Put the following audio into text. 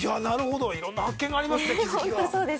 いろんな発見がありますね気付きが。